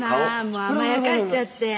もう甘やかしちゃって。